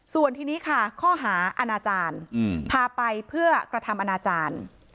ส่วนทีนี้ค่ะข้อหาอาณาจารย์พาไปเพื่อกระทำอนาจารย์